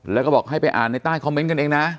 แล้วก็บอกให้ไปอ่านในใต้คอมเมนต์กันเองนะ